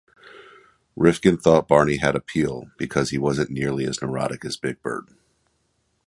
Rifkin thought Barney had appeal because he wasn't nearly as neurotic as Big Bird.